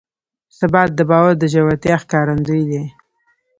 ثبات د باور د ژورتیا ښکارندوی دی.